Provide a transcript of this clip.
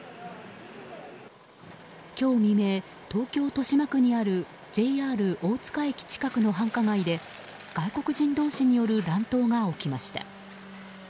今日未明、東京・豊島区にあるＪＲ大塚駅近くの繁華街で外国人同士による乱闘が起きました。